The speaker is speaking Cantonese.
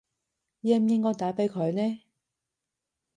應唔應該打畀佢呢